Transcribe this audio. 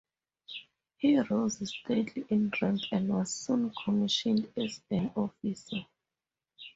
He rose steadily in rank and was soon commissioned as an officer.